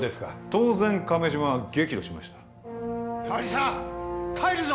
当然亀島は激怒しました亜理紗帰るぞ！